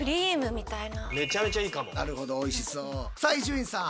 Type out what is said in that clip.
なるほどおいしそう。